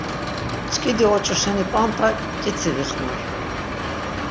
Mç̆k̆idi oç̆u şeni p̆ant̆a k̆itsi vixmar.